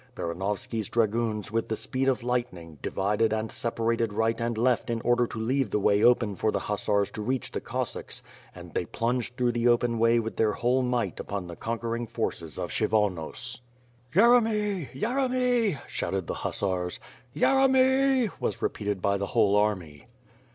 Baranovski^s dragoons with the speed of lightning, divided and separated right and left in order to leave the way open for the hussars to reach the Cos sacks, and they plunged through the open way with their whole might upon the conquering forces of Kshyvonos. "Yeremy! Yeremy!" shouted the hussars. "Yeremy!" was repeated by the whole army.